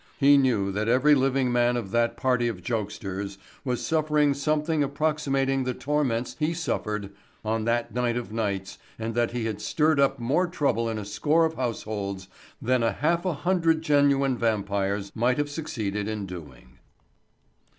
He knew that every living man of that party of jokesters was suffering something approximating the torments he suffered on that night of nights and that he had stirred up more trouble in a score of households than a half a hundred genuine vampires might have succeeded in doing.